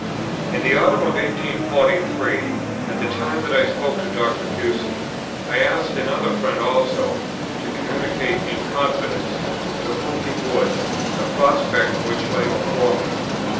In that autumn of 1843, at the time that I spoke to Dr. Pusey, I asked another friend also to communicate in confidence, to whom he would, the prospect which lay before me.